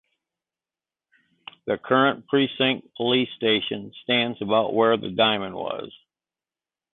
The current precinct police station stands about where the diamond was.